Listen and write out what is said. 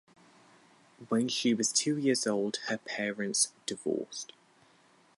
When she was two years old her parents divorced.